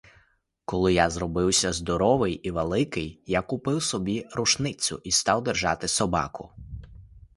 Коли я зробився здоровий і великий, я купив собі рушницю і став держати собаку.